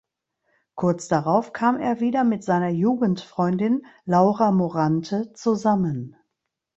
Kurz darauf kam er wieder mit seiner Jugendfreundin Laura Morante zusammen.